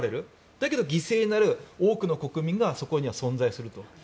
だけど、犠牲になる多くの国民がそこには存在すると。